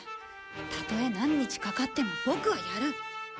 たとえ何日かかってもボクはやる。